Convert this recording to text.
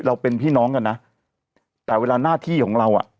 เป็นพี่น้องกันนะแต่เวลาหน้าที่ของเราอ่ะ